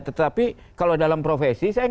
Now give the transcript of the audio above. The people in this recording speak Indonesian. tetapi kalau dalam profesi saya